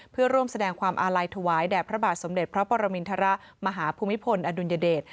เพื่อร่วมแสดงความอาลัยถวายแด่พระบาทสมเด็จพระปรมินทรมาหาภูมิพลอดุลยเดช